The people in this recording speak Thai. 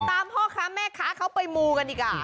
พ่อค้าแม่ค้าเขาไปมูกันดีกว่า